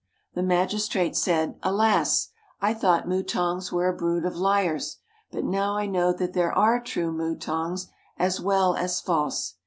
The magistrate said, "Alas! I thought mutangs were a brood of liars, but now I know that there are true mutangs as well as false."